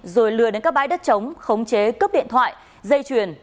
rồi lừa đến các bái đất chống khống chế cướp điện thoại dây chuyền